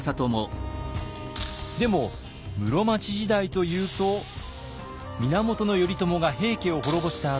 でも室町時代というと源頼朝が平家を滅ぼした